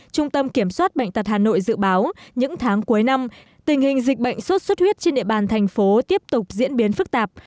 trung tâm kiểm soát bệnh tật hà nội dự báo những tháng cuối năm tình hình dịch bệnh sốt xuất huyết trên địa bàn thành phố tiếp tục diễn biến phức tạp